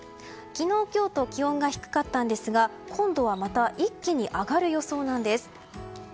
昨日今日と気温が低かったんですが今度は、また一気に上がる予想なんです。